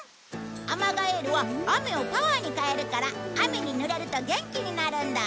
アマガエールは雨をパワーに変えるから雨にぬれると元気になるんだ。